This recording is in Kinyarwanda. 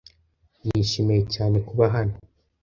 Nishimiye cyane kuba hano.